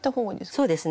そうですね。